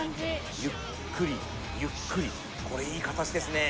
ゆっくりゆっくりこれいい形ですね